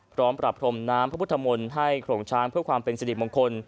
พร้อมปรับพรมน้ำพระพุทธมนต์ให้โขลงช้างเพื่อความเป็นสิริมงคล